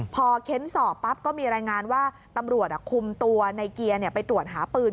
พอเค้นสอบปั๊บก็มีรายงานว่าตำรวจคุมตัวในเกียร์ไปตรวจหาปืน